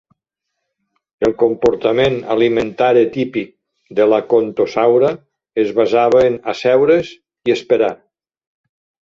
El comportament alimentari típic de l'"Acanthosaura" es basava en "asseure's i esperar".